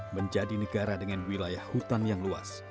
menjadi negara dengan wilayah hutan yang luas